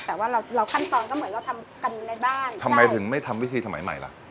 แต่ว่าเราเราขั้นตอนก็เหมือนเราทำกันในบ้านทำไมถึงไม่ทำวิธีสมัยใหม่ล่ะ